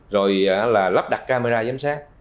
rồi lắp đặt camera giám sát